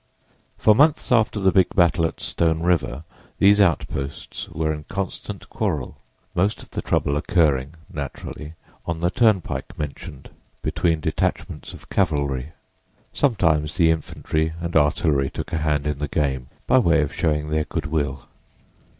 For months after the big battle at Stone River these outposts were in constant quarrel, most of the trouble occurring, naturally, on the turnpike mentioned, between detachments of cavalry. Sometimes the infantry and artillery took a hand in the game by way of showing their good will.